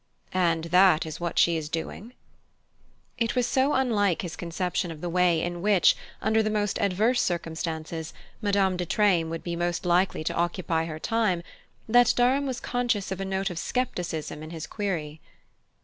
"And that is what she is doing?" It was so unlike his conception of the way in which, under the most adverse circumstances, Madame de Treymes would be likely to occupy her time, that Durham was conscious of a note of scepticism in his query.